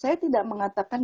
saya tidak mengatakan